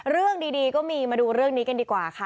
เรื่องดีก็มีมาดูเรื่องนี้กันดีกว่าค่ะ